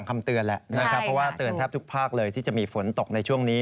เพราะว่าเตือนแทบทุกภาคเลยที่จะมีฝนตกในช่วงนี้